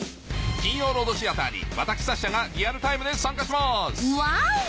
金曜ロードシアターに私サッシャがリアルタイムで参加しますワオ！